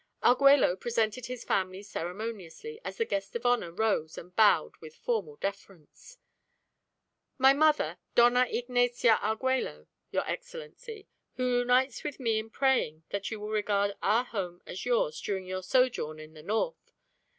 Arguello presented his family ceremoniously as the guest of honor rose and bowed with formal deference. "My mother, Dona Ignacia Arguello, your excellency, who unites with me in praying that you will regard our home as yours during your sojourn in the north.